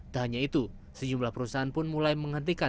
tak hanya itu sejumlah perusahaan pun mulai menghentikan